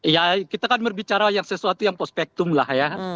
ya kita kan berbicara sesuatu yang pospektum lah ya